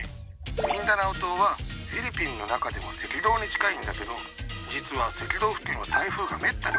ミンダナオ島はフィリピンの中でも赤道に近いんだけど実は赤道付近は台風がめったに来ないのよ。